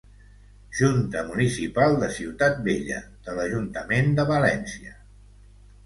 Junta Municipal de Ciutat Vella, de l'Ajuntament de València.